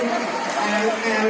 ini elektabilitasnya sudah going down